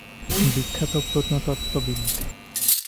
বিখ্যাত প্রত্নতত্ত্ববিদ।